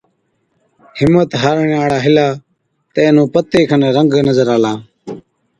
همٿ هارڻي هاڙا هِلا تہ اينهُون پتي کن رنگ نظر آلا۔